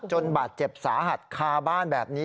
บาดเจ็บสาหัสคาบ้านแบบนี้